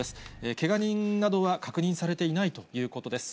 けが人などは確認されていないということです。